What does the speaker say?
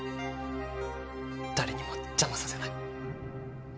誰にも邪魔させない。